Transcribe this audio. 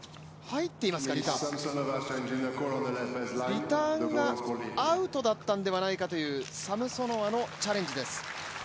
リターンがアウトだったのではないかというサムソノワのチャレンジです。